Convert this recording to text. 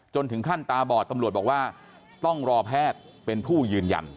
ถึงขั้นตาบอดตำรวจบอกว่าต้องรอแพทย์เป็นผู้ยืนยัน